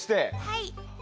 はい。